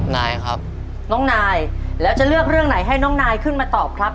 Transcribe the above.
นายครับน้องนายแล้วจะเลือกเรื่องไหนให้น้องนายขึ้นมาตอบครับ